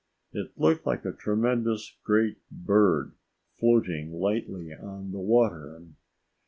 It looked like a tremendous great bird, floating lightly on the water.